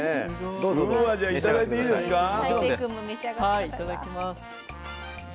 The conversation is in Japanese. はいいただきます。